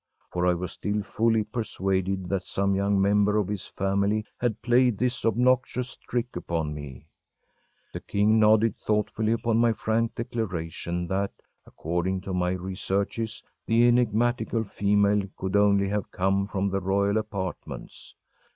For I was still fully persuaded that some young member of his family had played this obnoxious trick upon me. The king nodded thoughtfully upon my frank declaration that, according to my researches, the enigmatical female could only have come from the royal apartments.